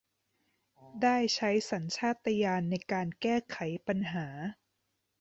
ได้ใช้สัญชาตญาณในการแก้ไขปัญหา